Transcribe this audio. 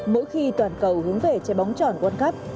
mỗi khi toàn cầu hướng về che bóng tròn quân cấp